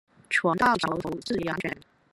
船到橋頭自然捲